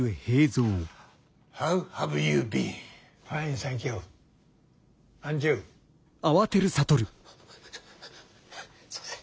すいません。